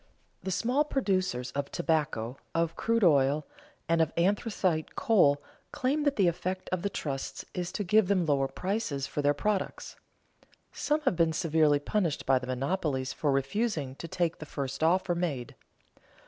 The small producers of tobacco, of crude oil, and of anthracite coal claim that the effect of the trusts is to give them lower prices for their products. Some have been severely punished by the monopolies for refusing to take the first offer made.